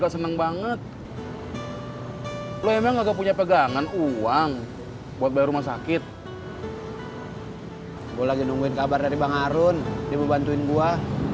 sampai jumpa di video selanjutnya